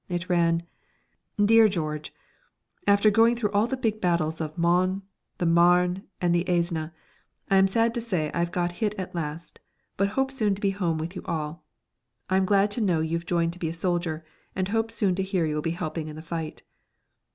It ran: "DEAR GEORGE, After going through all the big battles of Mons, the Marne and the Aisne, I am sad to say I've got hit at last, but hope soon to be home with you all. I'm glad to know you've joined to be a soldier, and hope soon to hear you're helping in the fight."